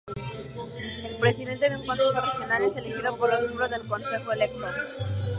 El Presidente de un consejo regional es elegido por los miembros del consejo electo.